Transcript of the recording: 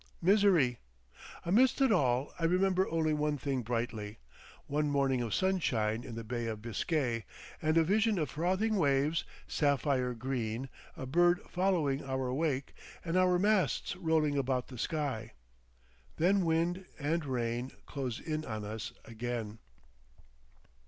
Misery! Amidst it all I remember only one thing brightly, one morning of sunshine in the Bay of Biscay and a vision of frothing waves, sapphire green, a bird following our wake and our masts rolling about the sky. Then wind and rain close in on us again.